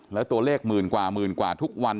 แล้วตัวเลขหมื่นกว่าหมื่นกว่าทุกวัน